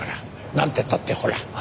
なんてったってほら。